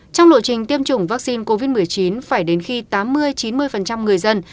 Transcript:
trong lộ trình tiêm chủng vaccine covid một mươi chín phải đến khi tám mươi chín mươi người dân